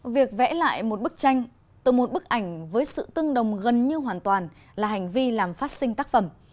việc vẽ lại một bức tranh từ một bức ảnh với sự tương đồng gần như hoàn toàn là hành vi làm phát sinh tác phẩm